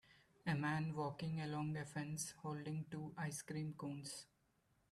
A man walking along a fence holding two ice cream cones